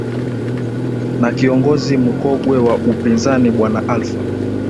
na kiongozi mukogwe wa upinzani bwana alfa